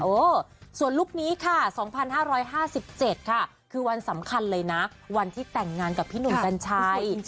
เออส่วนลุคนี้ค่ะ๒๕๕๗ค่ะคือวันสำคัญเลยนะวันที่แต่งงานกับพี่หนุ่มกัญชัย